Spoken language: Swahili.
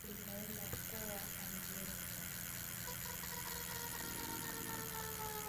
Vitenzi visoukomo vina sifa mbalimbali: